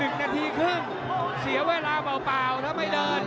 นาทีครึ่งเสียเวลาเปล่าถ้าไม่เดิน